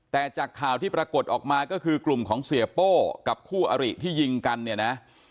แต่จากข่าวที่ปรากฏออกมาก็คือกลุ่มของเสียโป้กับคู่อริที่ยิงกันเนี่ยนะ